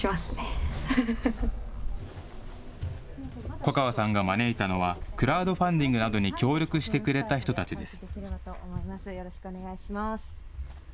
粉川さんが招いたのは、クラウドファンディングなどに協力してくれた人たちです。